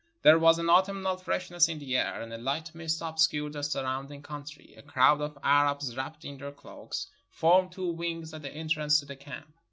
There was an autumnal freshness in the air, and a light mist obscured the sur rounding country. A crowd of Arabs wrapped in their cloaks formed two wings at the entrance to the camp.